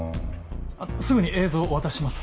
すぐに映像をお渡しします。